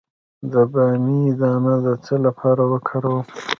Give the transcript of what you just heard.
د بامیې دانه د څه لپاره وکاروم؟